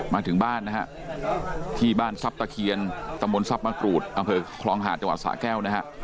มาถึงบ้านนะฮะที่บ้านซับตะเคียนตะมนต์ซับมะกรูดอ่ะเฮ้ยคลองหาดจังหวัดสาแก้วนะฮะ